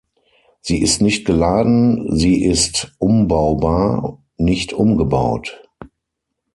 Sie ist nicht geladen, sie ist umbaubar, nicht umgebaut.